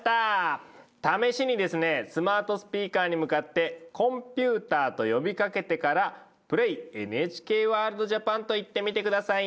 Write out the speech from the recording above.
試しにですねスマートスピーカーに向かって「コンピューター」と呼びかけてから「Ｐｌａｙ『ＮＨＫＷＯＲＬＤーＪＡＰＡＮ』」と言ってみて下さい。